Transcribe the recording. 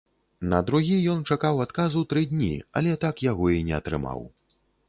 На другі ён чакаў адказу тры дні, але так яго і не атрымаў.